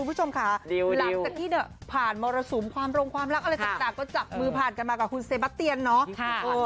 คุณผู้ชมค่ะหลังจากที่ผ่านมรสุมความรงความรักอะไรต่างก็จับมือผ่านกันมากับคุณเซบะเตียนเนาะ